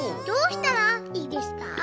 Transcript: どうしたらいいですか？」。